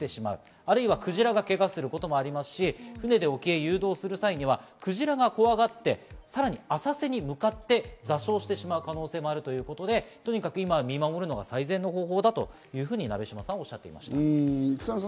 あるいはクジラがけがすることもありますし、船で沖へ誘導する際には、クジラが怖がってさらに浅瀬に向かって座礁してしまう可能性もあるということで、今は見守るのが最善の方法だと鍋島さんはおっしゃっています。